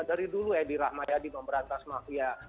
dari dulu edi rahmayadi memberantas mafia